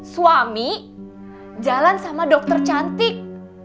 suami jalan sama dokter cantik